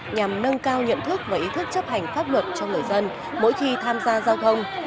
nhằm nâng cao nhận thức và ý thức chấp hành pháp luật cho người dân mỗi khi tham gia giao thông